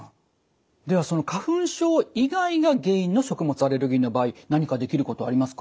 ではその花粉症以外が原因の食物アレルギーの場合何かできることありますか？